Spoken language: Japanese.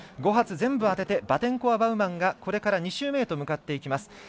５発全部当ててバテンコワバウマンがこれから２周目へと向かっていきます。